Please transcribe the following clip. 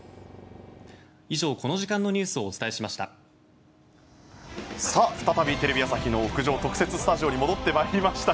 以上、この時間のニュースをお伝えしました。